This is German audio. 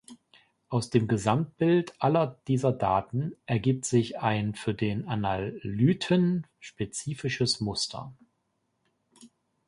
Aus dem „Gesamtbild“ aller dieser Daten ergibt sich ein für den Analyten spezifisches Muster.